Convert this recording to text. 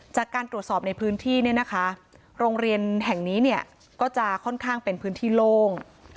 จากการตรวจสอบในพื้นที่เนี่ยนะคะโรงเรียนแห่งนี้เนี่ยก็จะค่อนข้างเป็นพื้นที่โล่ง